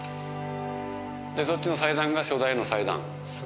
でそっちの祭壇が初代の祭壇。